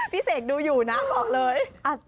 เสกดูอยู่นะบอกเลย